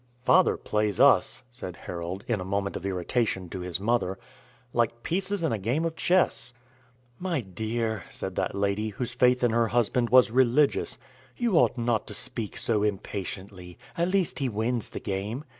"Father plays us," said Harold, in a moment of irritation, to his mother, "like pieces in a game of chess. "My dear," said that lady, whose faith in her husband was religious, "you ought not to speak so impatiently. At least he wins the game.